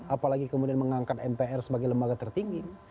apalagi kemudian mengangkat mpr sebagai lembaga tertinggi